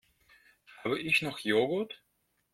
Habe ich noch Joghurt?